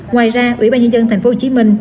ngoài ra ủy ban nhân dân thành phố hồ chí minh